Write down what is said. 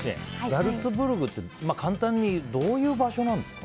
ザルツブルクって簡単にどういう場所なんですか。